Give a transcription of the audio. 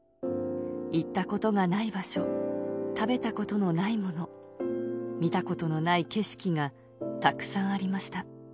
行ったことがない場所、食べたことのないもの、見たことのない景色がたくさんありました。